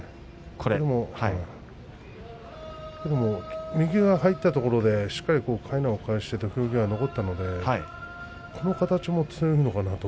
でも右が入ったところでしっかりかいなを返して土俵際残ったのでこの形も強いのかなと。